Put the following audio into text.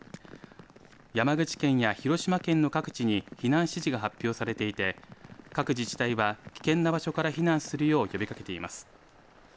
山口県や広島県の各地に避難指示が発表されていて各自治体は危険な場所から避難するよう呼びかけています。